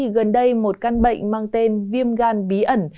gần đây một căn bệnh mang tên viêm gan bí ẩn